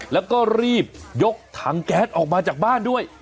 แล้วก็รีบยกถังแก๊สออกมาจากบ้านด้วย